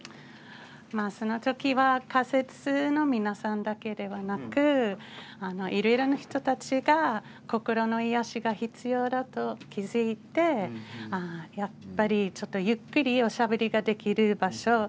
その時は仮設の皆さんだけではなくいろいろな人たちが心の癒やしが必要だと気付いてやっぱりちょっとゆっくりおしゃべりができる場所